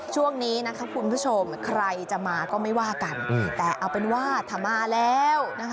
ช่วงนี้นะคะคุณผู้ชมใครจะมาก็ไม่ว่ากันแต่เอาเป็นว่าถ้ามาแล้วนะคะ